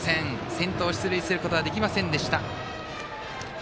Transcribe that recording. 先頭、出塁することできませんでした。